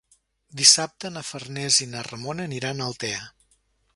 Dissabte na Farners i na Ramona aniran a Altea.